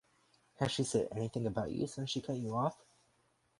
Has she said anything about you since she cut you off?